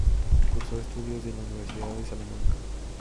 Cursó estudios en la Universidad de Salamanca.